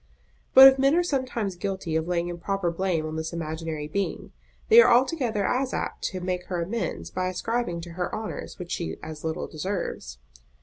But if men are sometimes guilty of laying improper blame on this imaginary being, they are altogether as apt to make her amends by ascribing to her honours which she as little deserves.